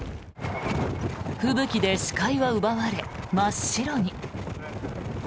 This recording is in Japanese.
吹雪で視界は奪われ真っ白に。